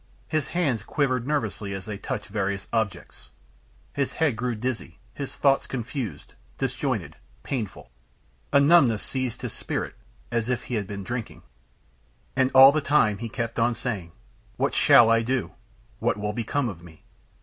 His hands quivered nervously as they touched various objects. His head grew dizzy, his thoughts confused, disjointed, painful; a numbness seized his spirit, as if he had been drinking. And all the time he kept on saying: "What shall I do? What will become of me?"